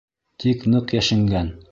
Тик ныҡ йәшенгән!